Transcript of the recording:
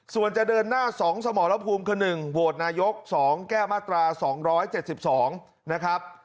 ส่วนจะเดินหน้าสองสมรพูมคือหนึ่งโหวดนายกสองแก้มาตราสองร้อยเจ็ดสิบสองนะครับ